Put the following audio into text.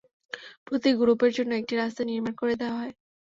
প্রতি গ্রুপের জন্য একটি রাস্তা নির্ধারণ করে দেয়া হয়।